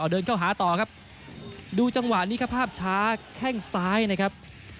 เดินเข้าหาต่อครับดูจังหวะนี้ครับภาพช้าแข้งซ้ายนะครับ